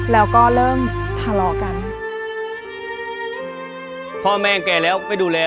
แล้วก็เริ่มทะเลาะกันพ่อแม่แก่แล้วไม่ดูแล